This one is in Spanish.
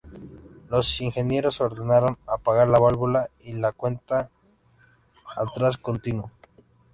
Los ingenieros ordenaron apagar la válvula y la cuenta atrás continuó.